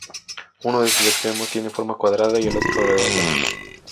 Uno de sus extremos tiene forma cuadrada y el otro, redonda.